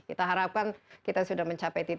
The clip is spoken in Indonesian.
kita harapkan kita sudah mencapai titik ke tiga